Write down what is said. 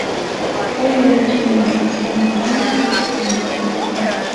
Ha vivido en Chile, Alemania, España, Rumanía, y Costa Rica, donde reside actualmente.